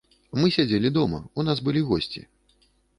Мы сядзелі дома, у нас былі госці.